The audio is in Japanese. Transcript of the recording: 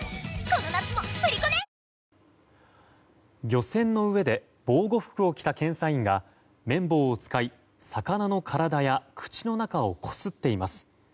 漁船の上で防護服を着た検査員が綿棒を使い魚の体や口の中をこすっています。